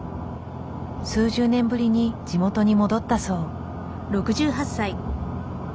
数十年ぶりに地元に戻ったそう。